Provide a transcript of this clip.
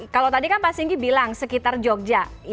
kalau tadi kan pak singgi bilang sekitar jogja